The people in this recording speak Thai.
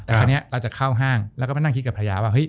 แต่คราวนี้เราจะเข้าห้างแล้วก็มานั่งคิดกับภรรยาว่าเฮ